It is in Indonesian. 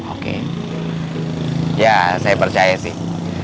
oke ya saya percaya sih